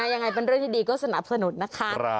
ยังไงเป็นเรื่องที่ดีก็สนับสนุนนะคะ